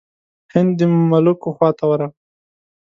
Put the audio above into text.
هند د ملوکو خواته ورغی.